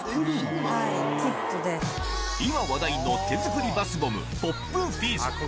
今話題の手作りバスボム、ポップフィズ。